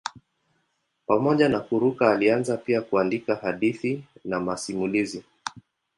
Pamoja na kuruka alianza pia kuandika hadithi na masimulizi.